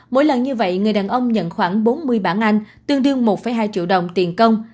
mỗi lần như vậy người đàn ông nhận khoảng bốn mươi bản anh tương đương một hai triệu đồng tiền công